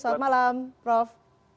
selamat malam prof